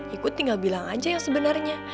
ikut tinggal bilang aja yang sebenarnya